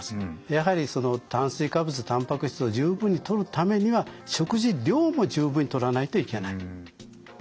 やはりその炭水化物たんぱく質を十分にとるためには食事量も十分にとらないといけない。